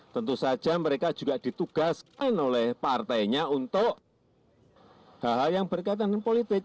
tentu saja mereka juga ditugaskan oleh partainya untuk hal hal yang berkaitan dengan politik